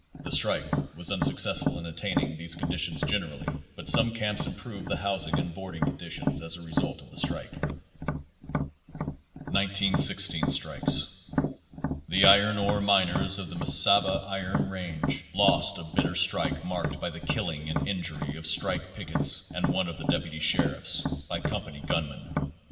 The strike was unsuccess ful in obtaining these conditions generally, but some camps improved the housing and boarding conditions as a result of the strike. Pagre Thirty 1916 Strikes. The iron ore miners of the Mesaba Iron Range lost a bitter strike marked by the killing and injury of strike pickets and one of the deputy sheriffs, by com pany gunmen.